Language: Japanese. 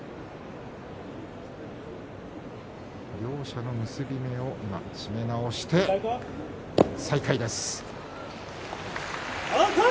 両者の結び目を締め直して再開です。